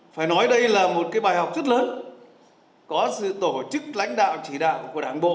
phải nói đây là một bài học rất lớn có sự tổ chức lãnh đạo chỉ đạo của đảng bộ